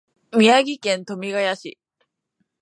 宮城県富谷市